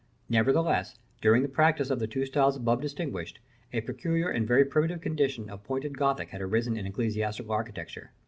Nevertheless, during the practice of the two styles above distinguished, a peculiar and very primitive condition of pointed Gothic had arisen in ecclesiastical architecture.